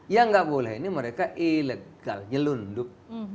yang nggak boleh ini mereka ilegal nyelundup